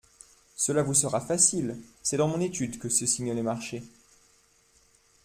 Cela vous sera facile … c'est dans mon étude que se signent les marchés.